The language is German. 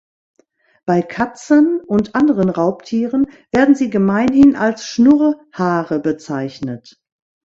Bei Katzen und anderen Raubtieren werden sie gemeinhin als Schnurrhaare bezeichnet.